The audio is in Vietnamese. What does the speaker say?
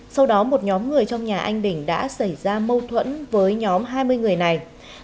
sau đó một nhóm người trong nhà anh bình đã xảy ra mâu thuẫn với nhóm hai mươi người này